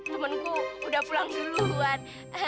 temenku udah pulang duluan